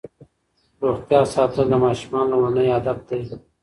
روغتیا ساتل د ماشومانو لومړنی هدف دی.